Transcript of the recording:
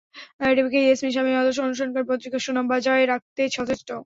Rebecca Yasmin স্বামীর আদর্শ অনুসরণ করে পত্রিকার সুনাম বজায় রাখতে সচেষ্ট।